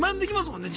もんね